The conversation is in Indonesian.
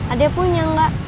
adek punya gak